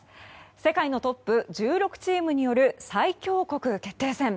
世界のトップ１６チームによる最強国決定戦。